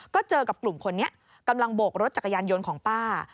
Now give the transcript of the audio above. ก็เจอกับกลุ่มคนนี้กำลังโบกรถจักรยานยนต์ของป้า